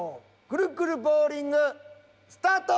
ぐるぐるボウリングスタート！